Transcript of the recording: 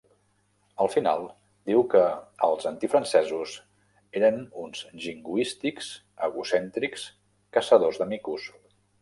Al final, diu que els antifrancesos eren uns jingoístics, egocèntrics caçadors de micos.